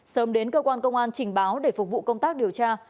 sớm đến cơ quan công an trình báo để phục vụ công tác điều tra